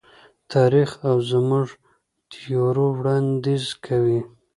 تاریخ او زموږ تیوري وړاندیز کوي.